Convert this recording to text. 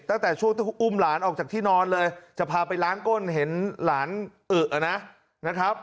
ตั้งแต่ช่วงที่อุ้มหลานออกจากที่นอนเลยจะพาไปล้างก้นเห็นหลานอึนะครับ